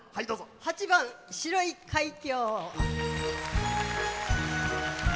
８番「白い海峡」。